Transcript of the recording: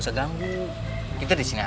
sidang gampang sudah nggak sih